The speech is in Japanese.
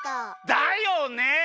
だよね。